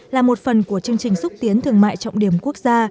là một phần của chương trình xúc tiến thương mại trọng điểm quốc gia